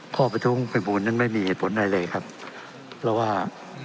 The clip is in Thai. ประท้วงภัยบูลนั้นไม่มีเหตุผลอะไรเลยครับเพราะว่า